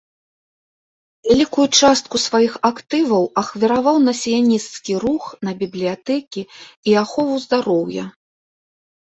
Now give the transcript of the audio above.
Вялікую частку сваіх актываў ахвяраваў на сіянісцкі рух, на бібліятэкі і ахову здароўя.